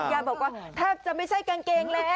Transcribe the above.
ยาบอกว่าแทบจะไม่ใช่กางเกงแล้ว